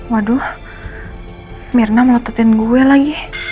waduh mirna meletutin gue lagi